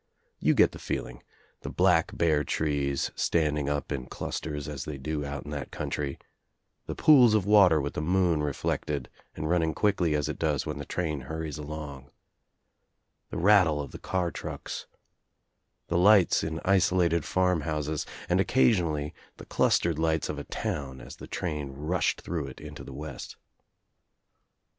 I6Z THE TKIUMFU OF THE £00 You get the feeling: the black bare trees standing up in clusters as they do out in that country, the pools of water with the moon reflected and running quickly as it does when the train hurries along, the rattle of the car trucks, the lights in isolated farm houses, and occa sionally the clustered lights of a town as the train rushed through it into the west.